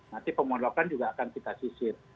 nanti pemondokan juga akan kita sisir